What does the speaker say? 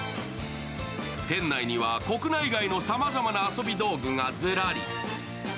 店内には国内外のさまざまな遊び道具がずらり。